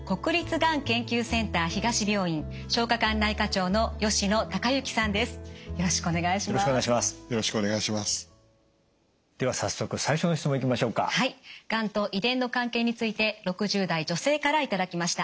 がんと遺伝の関係について６０代女性から頂きました。